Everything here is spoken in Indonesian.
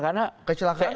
karena kecelakaan itu